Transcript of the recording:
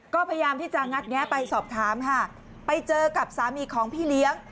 ก็พยายามที่จะงัดแงะไปสอบถามค่ะไปเจอกับสามีของพี่เลี้ยง